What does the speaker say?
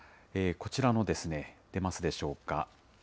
こちらの、出ますでしょうか。